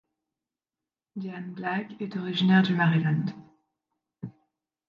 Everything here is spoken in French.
Diane Black est originaire du Maryland.